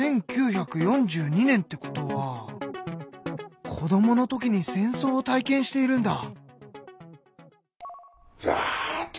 １９４２年ってことは子どもの時に戦争を体験しているんだ！